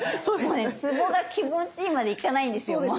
もうねツボが気持ちいいまでいかないんですよ。